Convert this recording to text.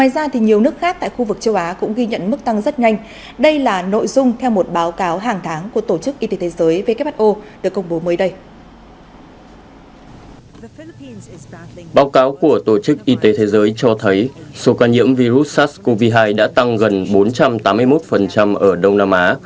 báo cáo của tổ chức y tế thế giới cho thấy số ca nhiễm virus sars cov hai đã tăng gần bốn trăm tám mươi một ở đông nam á